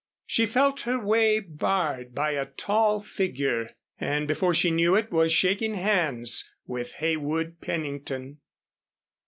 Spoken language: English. She felt her way barred by a tall figure, and before she knew it, was shaking hands with Heywood Pennington.